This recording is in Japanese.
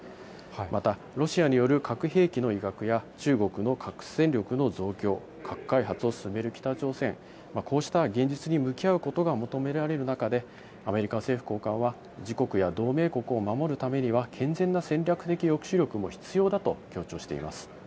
また、ロシアによる核兵器の威嚇や中国の核戦力の増強、核開発を進める北朝鮮、こうした現実に向き合うことが求められる中で、アメリカの政府高官は、自国や同盟国を守るためには、健全な戦略的抑止力も必要だと強調しています。